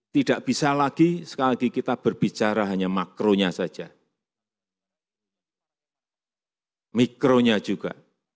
tidak bisa lagi sekali lagi kita berbicara hanya makronya saja mikronya juga